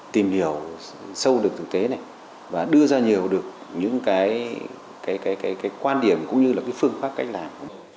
tìm hiểu sâu được thực tế này và đưa ra nhiều được những cái quan điểm cũng như là cái phương pháp cách làm